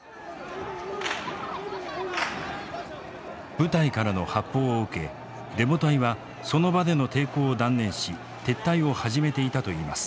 部隊からの発砲を受けデモ隊はその場での抵抗を断念し撤退を始めていたといいます。